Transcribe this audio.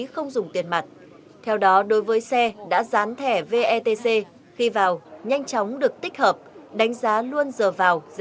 không dùng tiền mặt theo đó đối với xe đã dán thẻ vetc khi vào nhanh chóng được tích hợp đánh giá luôn giờ vào giá